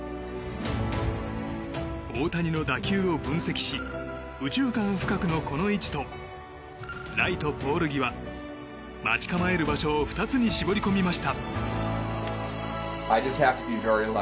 大谷の打球を分析し右中間深くのこの位置とライトポール際待ち構える場所を２つに絞り込みました。